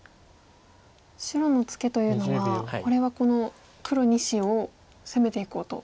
白のツケというのはこれはこの黒２子を攻めていこうと。